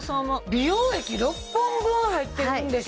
美容液６本分入ってるんでしょ。